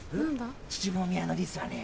秩父宮のりすはね